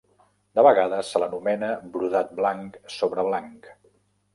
De vegades se l'anomena brodat blanc sobre blanc.